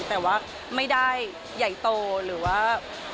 แต่ว่าไม่ได้ใหญ่โตหรือว่า